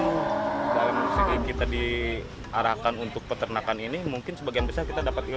dalam segi kita diarahkan untuk peternakan ini mungkin sebagian besar kita dapat ilmu